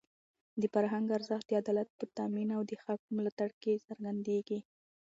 د فرهنګ ارزښت د عدالت په تامین او د حق په ملاتړ کې څرګندېږي.